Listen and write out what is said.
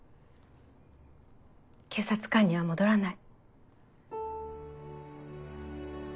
警察官には戻らない。